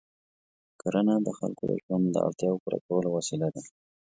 کرنه د خلکو د ژوند د اړتیاوو پوره کولو وسیله ده.